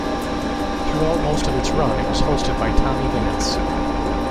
Throughout most of its run it was hosted by Tommy Vance.